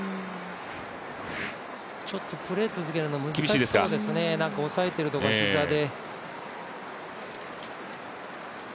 ちょっとプレーを続けるの難しそうですね、押さえているところが膝で。